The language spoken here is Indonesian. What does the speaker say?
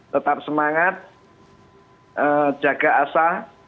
tetap semangat jaga asa